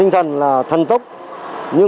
đây là lần thứ sáu